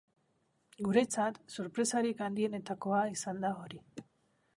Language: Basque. Guretzat, sorpresarik handienetakoa izan da hori.